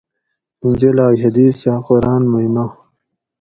ایں جولاگ حدیث یا قرآن مئی نات